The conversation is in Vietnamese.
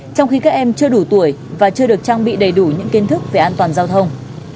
trong khi các em chưa đủ tuổi và chưa được trang bị đầy đủ những kiến thức về an toàn giao thông